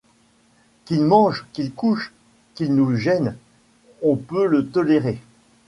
Qu’il mange, qu’il couche, qu’il nous gêne, on peut le tolérer.